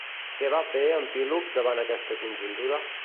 Què va fer Amfíloc davant aquesta conjuntura?